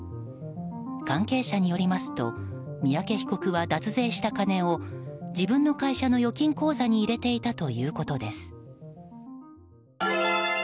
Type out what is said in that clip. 関係者によりますと三宅被告は脱税した金を自分の会社の預金口座に入れていたということです。